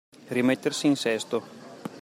Rimettersi in sesto.